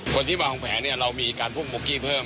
คนที่วางแผนเรามีการพุ่งมุกกี้เพิ่ม